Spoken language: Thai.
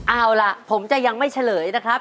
เอาล่ะผมจะยังไม่เฉลยนะครับ